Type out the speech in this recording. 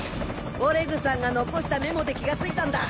オレグさんが残したメモで気が付いたんだ。